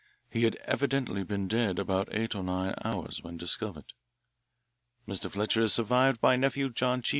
He had evidently been dead about eight or nine hours when discovered. Mr. Fletcher is survived by a nephew, John G.